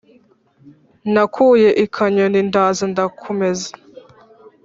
nakuye i kanyoni, ndaza ndakumeza.